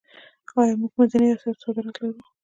آیا موږ منځنۍ اسیا ته صادرات لرو؟